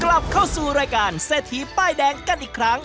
กลับเข้าสู่รายการเศรษฐีป้ายแดงกันอีกครั้ง